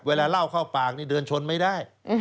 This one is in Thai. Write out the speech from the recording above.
เวลาเล่าเข้าปากนี่เดินชนไม่ได้